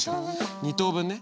２等分ね。